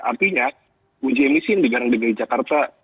artinya uji emisi yang digadang gadang dki jakarta